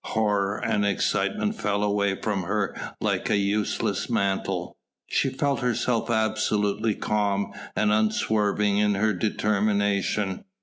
Horror and excitement fell away from her like a useless mantle. She felt herself absolutely calm and unswerving in her determination.